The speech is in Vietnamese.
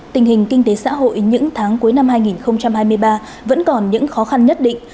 tình hình kinh tế xã hội những tháng cuối năm hai nghìn hai mươi ba vẫn còn những khó khăn nhất định